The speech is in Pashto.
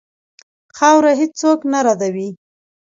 خاوره هېڅ څوک نه ردوي.